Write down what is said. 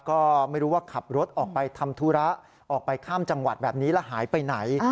ก็ไม่รู้ว่าขับรถออกไปทำธุระออกไปข้ามจังหวัดแบบนี้แล้วหายไปไหน